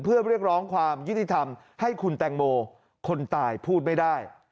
เพื่อเรียกร้องความยุติธรรมให้คุณแตงโมคนตายพูดไม่ได้